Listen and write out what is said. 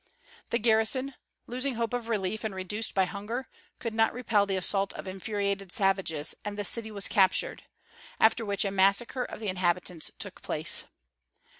The garrison, losing hope of relief and reduced by hunger, could not repel the assault of the infuriated savages, and the city was captured; after which a massacre of the inhabitants took place.